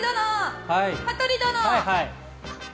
羽鳥殿！